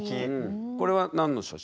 これは何の写真？